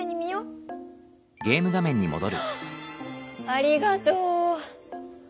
ありがとう！